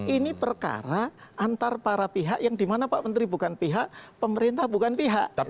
ini perkara antara para pihak yang dimana pak menteri bukan pihak pemerintah bukan pihak